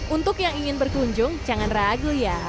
untuk yang ingin berkunjung jangan ragu ya